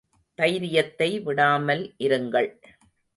தைரியத்தை விடாமல் இருங்கள்.